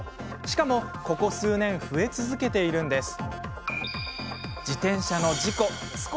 しかも、ここ数年増え続けているんです。